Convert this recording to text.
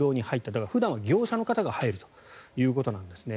だから、普段は業者の方が入るということですね。